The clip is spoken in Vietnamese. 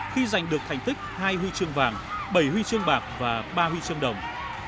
khi giành được thành tích hai huy chương vàng bảy huy chương bạc và ba huy chương đồng